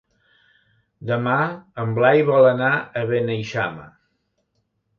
Demà en Blai vol anar a Beneixama.